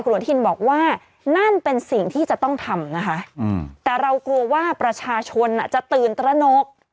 อนุทินบอกว่านั่นเป็นสิ่งที่จะต้องทำนะคะแต่เรากลัวว่าประชาชนจะตื่นตระหนก